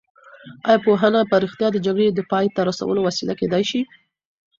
ایا پوهنه په رښتیا د جګړې د پای ته رسولو وسیله کېدای شي؟